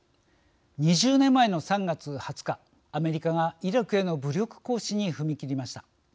２０年前の３月２０日アメリカがイラクへの武力行使に踏み切りました。